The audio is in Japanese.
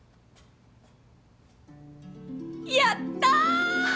やったー！！